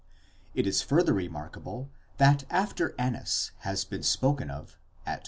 It is further remarkable that after Annas has been spoken of, at v.